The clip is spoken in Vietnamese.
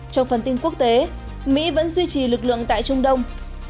trong phần tin quốc tế mỹ vẫn duy trì lực lượng tại trung đông